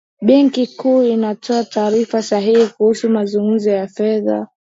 benki kuu inatoa taarifa sahihi kuhusu mzunguko wa fedha